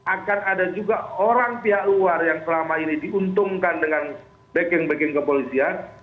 akan ada juga orang pihak luar yang selama ini diuntungkan dengan backing backing kepolisian